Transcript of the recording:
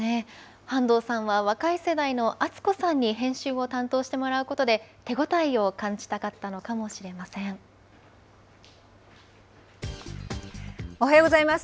半藤さんは若い世代の淳子さんに編集を担当してもらうことで、手応えを感じたかったのかもしれまおはようございます。